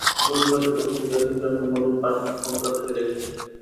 পরিবারের অভিযোগ, একই গ্রামের মনির পাঠান ফোন করে তাঁকে ডেকে নিয়ে যান।